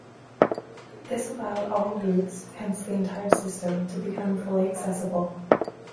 This allowed all routes, hence the entire system, to become fully accessible.